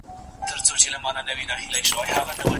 ایا ستا او استاد مزاج مو سره جوړ دی؟